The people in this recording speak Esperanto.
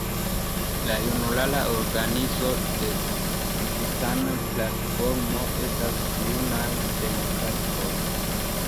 La junulara organizo de Civitana Platformo estas Junaj Demokratoj.